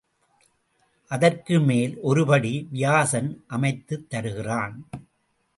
அதற்கு மேல் ஒரு படி வியாசன் அமைத்துத் தருகிறான்.